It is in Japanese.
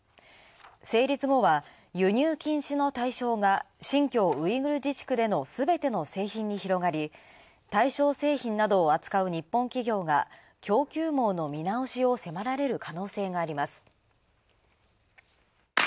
成立後は輸入禁止の対象が新疆ウイグル自治区での、すべての製品に広がり、対象製品などを扱う日本の企業が供給網の見直しを迫られる可能性があります。